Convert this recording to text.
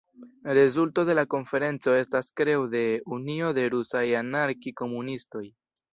Rezulto de la konferenco estas kreo de "Unio de rusaj anarki-komunistoj".